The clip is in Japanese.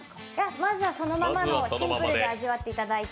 まずはそのままシンプルに味わっていただいて。